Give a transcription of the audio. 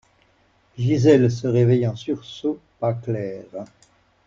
Gisèle se réveille en sursaut, pas claire.